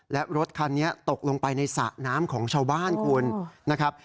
และรถคันนี้ตกลงไปในสระน้ำของชาวบ้านคุณนะครับ